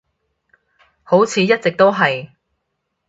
好似一直都係